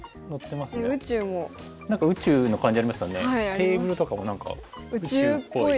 テーブルとかも何か宇宙っぽい。